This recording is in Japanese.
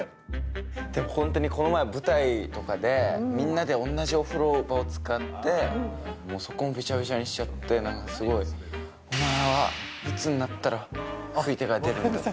本当にこの前、舞台とかでみんなで同じお風呂場を使って、そこもびしゃびしゃにしちゃって、なんかすごい、お前はいつになったら拭いてから出るんだって。